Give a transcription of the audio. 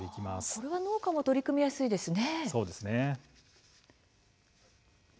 これなら農家も取り組みやすいですね。